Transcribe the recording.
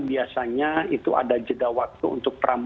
biasanya itu ada jeda waktu untuk perempuan